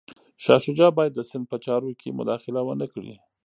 شاه شجاع باید د سند په چارو کي مداخله ونه کړي.